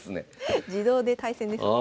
自動で対戦ですね。